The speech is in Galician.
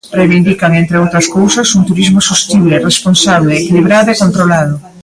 Reivindican, entre outras cousas, un turismo sostible, responsable, equilibrado e controlado.